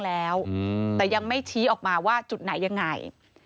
แล้วแต่ยังไม่ชี้ออกมาว่าจุดไหนยังไง